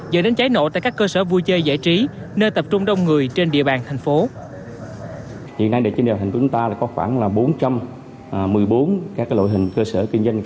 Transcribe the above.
dẫn đến cháy nổ tại các cơ sở vui chơi giải trí nơi tập trung đông người trên địa bàn thành phố